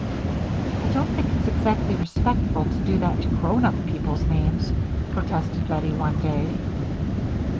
"I don't think it's exactly respectful to do that to grown up people's names," protested Bettie, one day.